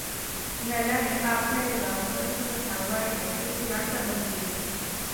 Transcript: ह्याला एक आख्यायिका, दंतकथा वाङमय, एक पुराण समजले गेले.